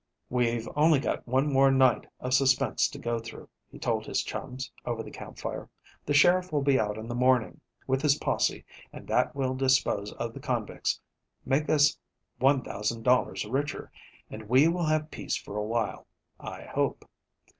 "We've only got one more night of suspense to go through," he told his chums, over the campfire. "The sheriff will be out in the morning, with his posse, and that will dispose of the convicts, make us $1,000 richer, and we will have peace for a while, I hope.